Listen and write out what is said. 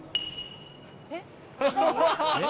えっ？